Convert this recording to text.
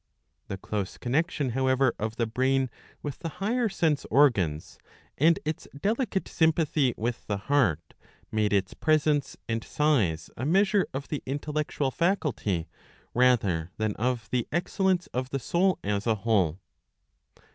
The close connection, however, of the brain with the higher sense organs, and its delicate sympathy ' with the heart, made its presence and size a measure of the intellectual faculty rather than of the excellence of the soul as a whole.